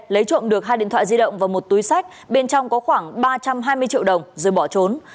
lấy trộm được hai điện thoại di động và một túi sách bên trong có khoảng ba trăm hai mươi triệu đồng rồi bỏ trốn